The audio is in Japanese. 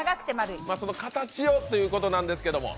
形をということなんですけども。